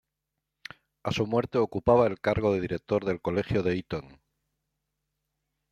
A su muerte ocupaba el cargo de director del Colegio de Eton.